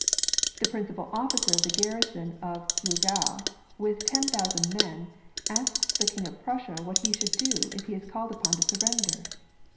The principal officer of the garrison of Glogau with ten thousand men, asks the Kmg of Prussia what he shall do if lie is called upon to sur render.